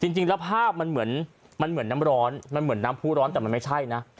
จริงแล้วภาพมันเหมือนมันเหมือนน้ำร้อนมันเหมือนน้ำผู้ร้อนแต่มันไม่ใช่นะ